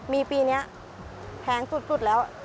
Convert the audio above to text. มีปีนี้แพงสุดแล้ว